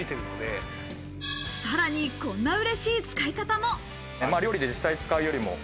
さらに、こんなうれしい使い方も。